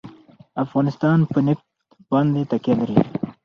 افغانستان په نفت باندې تکیه لري.